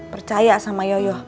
percaya sama yoyoh